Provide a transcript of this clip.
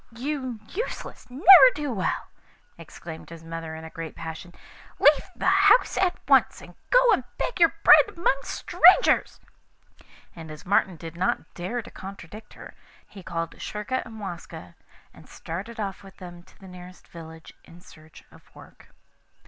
'You useless ne'er do weel!' exclaimed his mother in a great passion. 'Leave the house at once, and go and beg your bread among strangers;' and as Martin did not dare to contradict her, he called Schurka and Waska and started off with them to the nearest village in search of work.